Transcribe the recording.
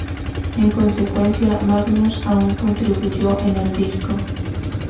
En consecuencia, Magnus aún contribuyó en el disco.